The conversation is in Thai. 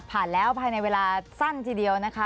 ผ่านแล้วภายในเวลาสั้นทีเดียวนะคะ